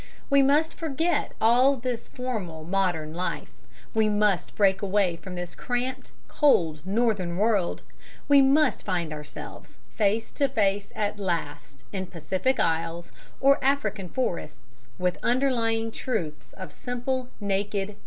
... "We must forget all this formal modern life; we must break away from this cramped, cold, northern world; we must find ourselves face to face at last, in Pacific isles or African forests, with the underlying truths of simple naked nature."